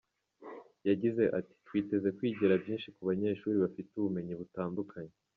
Yagize ati “Twiteze kwigira byinshi ku banyeshuri bafite ubumenyi butandukanye.